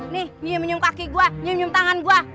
nih nyium nyium kaki gue nyium nyium tangan gue